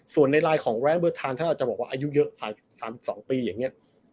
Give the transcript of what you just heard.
ส่วนในลายของแรงเบอร์ทานถ้าเราจะบอกว่าอายุเยอะ๓๒ปีอย่างนี้